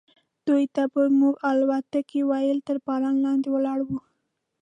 دوی ته به موږ الوتکې ویلې، تر باران لاندې ولاړ و.